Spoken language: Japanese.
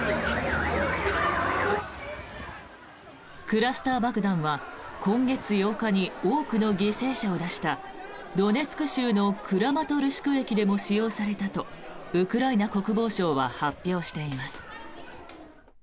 クラスター爆弾は今月８日に多くの犠牲者を出したドネツク州のクラマトルシク駅でも使用されたとウクライナ国防省は発表しています。